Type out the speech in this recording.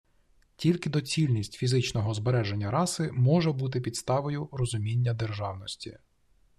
Тільки доцільність фізичного збереження раси може бути підставою розуміння державності.